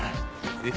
えっ？